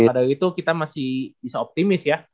yang padahal itu kita masih bisa optimis ya